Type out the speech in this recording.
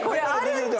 はい。